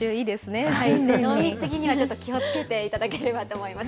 飲み過ぎにはちょっと気をつけていただければと思います。